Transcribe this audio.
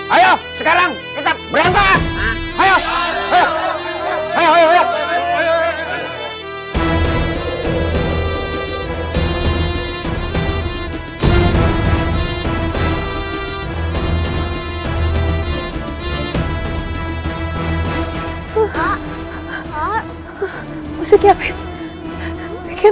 ayo sekarang kita berangkat